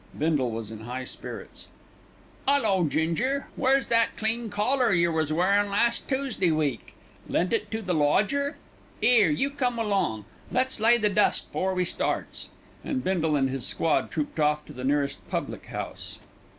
Bindle was in high spirits. "'Ullo, Ginger, where's that clean coller you was wearin' last Toosday week? Lent it to the lodger? 'Ere, come along. Let's lay the dust 'fore we starts." And Bindle and his squad trooped off to the nearest public house.